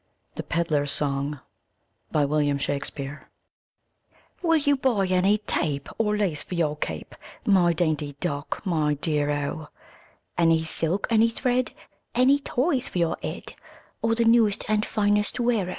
THE PEDLAR'S SONG William Shakespeare Will you buy any tape. Or lace for your cape, My dainty duck, my dear 0? Any silk, any thread, Any toys for your head, Of the newest and finest wear 0?